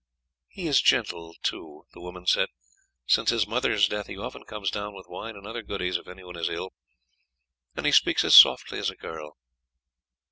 "He is gentle too," the woman said. "Since his mother's death he often comes down with wine and other goodies if anyone is ill, and he speaks as softly as a girl.